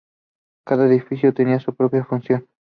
Cada edificio tenía su propia función.